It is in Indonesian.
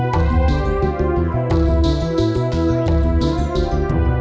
mau langsung jalan yuk